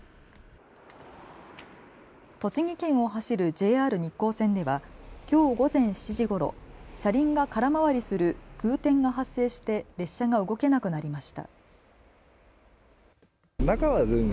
栃木県を走るＪＲ日光線ではきょう午前７時ごろ車輪が空回りする空転が発生して列車が動けなくなりました。